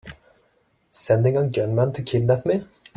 Sending a gunman to kidnap me!